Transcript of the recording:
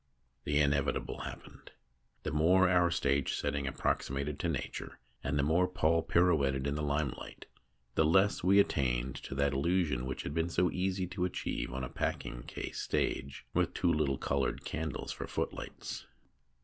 The inevitable happened. The more our stage setting approximated to Nature, and the more Paul pirouetted in the limelight, the less we attained to that illusion which had been so easy to achieve on a packing case stage with two little coloured candles for footlights.